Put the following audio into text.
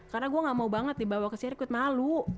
karena gue gak mau banget dibawa ke sirkuit malu